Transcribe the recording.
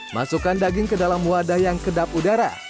masukkan daging ke dalam wadah yang kedap udara